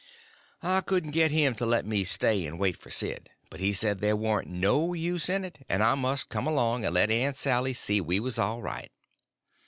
I couldn't get him to let me stay and wait for Sid; and he said there warn't no use in it, and I must come along, and let Aunt Sally see we was all right.